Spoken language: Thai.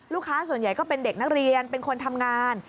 ส่วนใหญ่ก็เป็นเด็กนักเรียนเป็นคนทำงาน